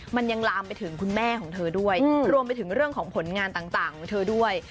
มันยังลามไปถึงคุณแม่ของเธอด้วยรวมไปถึงเรื่องของผลงานต่างของเธอด้วย